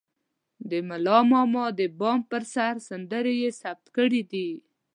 د ملا ماما د بام پر سر سندرې يې ثبت کړې دي.